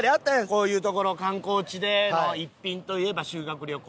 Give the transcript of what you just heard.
こういうとこの観光地での一品といえば修学旅行。